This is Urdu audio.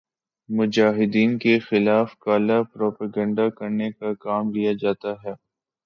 مجاہدین کے خلاف کالا پروپیگنڈا کرنے کا کام لیا جاتا ہے